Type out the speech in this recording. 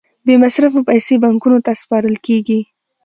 بې مصرفه پیسې بانکونو ته سپارل کېږي